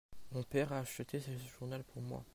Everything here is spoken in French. Mon père a acheté ce journal pour moi.